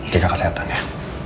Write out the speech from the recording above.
kekak kesehatan ya